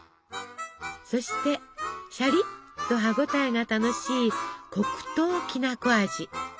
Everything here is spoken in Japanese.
そしてしゃりっと歯応えが楽しい黒糖きなこ味。